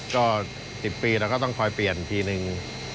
ก็๑๐ปีแล้วก็ต้องคอยเปลี่ยนทีนึง